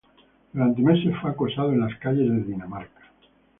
Durante meses fue acosado en las calles de Dinamarca.